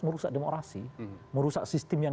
merusak demokrasi merusak sistem yang